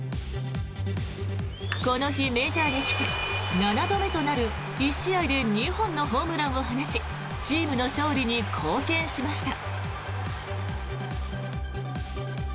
この日メジャーに来て７度目となる１試合で２本のホームランを放ちチームの勝利に貢献しました。